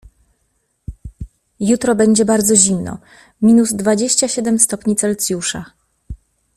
Jutro będzie bardzo zimno, minus dwadzieścia siedem stopni Celsjusza.